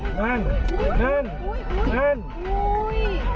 โอ้โฮมันใสขนาดนี้